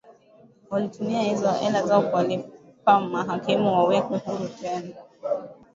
Walitumia hela zao kuwalipa mahakimu wawekwe huru tena